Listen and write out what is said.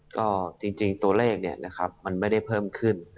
ก็จริงตัวเลขมันไม่ได้เพิ่มขึ้น